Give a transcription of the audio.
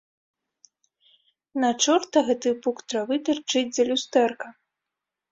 На чорта гэты пук травы тырчыць з-за люстэрка?